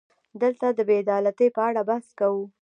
دلته د بې عدالتۍ په اړه بحث کوو.